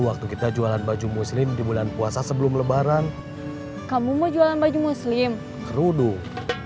waktu kita jualan baju muslim di bulan puasa sebelum lebaran kamu mau jualan baju muslim kerudung